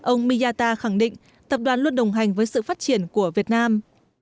ông miyata khẳng định tập đoàn luôn đồng hành với sự phát triển của việt nam